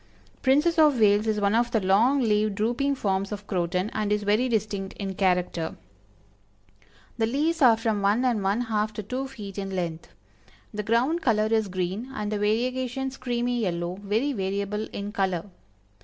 Princess of Wales is one of the long leaved drooping forms of Croton, and is very distinct in character. The leaves are from one and one half to two feet in length. The ground color is green, and the variegations creamy yellow, very variable in color.